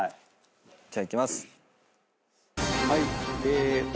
じゃあいきます。